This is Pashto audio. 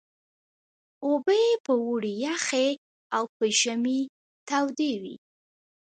اوبه یې په اوړي یخې او په ژمي تودې وې.